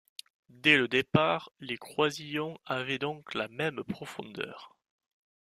Dès le départ, les croisillons avaient donc la même profondeur.